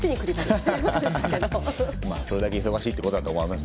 まあ、それだけ忙しいということだと思います。